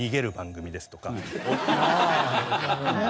ああなるほどね。